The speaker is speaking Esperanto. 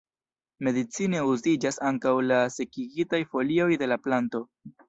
Medicine uziĝas ankaŭ la sekigitaj folioj de la planto.